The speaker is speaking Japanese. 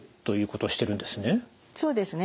そうですね。